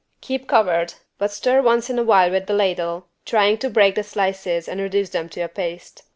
Keep covered, but stir once in a while with the ladle, trying to break the slices and reduce them to a paste.